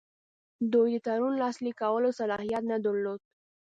دوی د تړون لاسلیک کولو صلاحیت نه درلود.